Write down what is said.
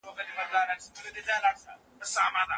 حضرت عائشة رضي الله عنها ورته وويل.